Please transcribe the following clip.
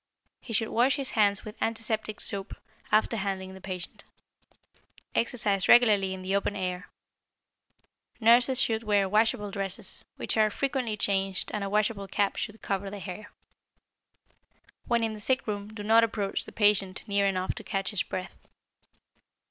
He should wash his hands with antiseptic soap after handling the patient. Exercise regularly in the open air. Nurses should wear washable dresses, which are frequently changed and a washable cap should cover their hair. When in the sick room do not approach the patient near enough to catch his breath.